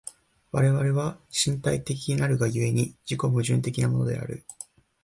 我々は身体的なるが故に、自己矛盾的であるのである。